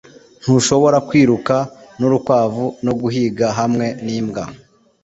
ntushobora kwiruka nurukwavu no guhiga hamwe nimbwa